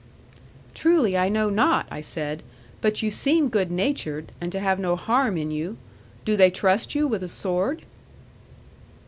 '"Truly I know not," I said; "but you seem good natured, and to have no harm in you. Do they trust you with a sword?"